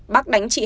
bác đánh chị h